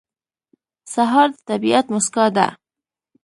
سهار د طبیعت موسکا ده.